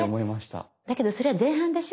だけどそれは前半でしょ？